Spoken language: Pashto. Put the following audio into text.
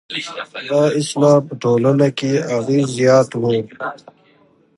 دا اصطلاح په ټولنه کې اغېز زیات و.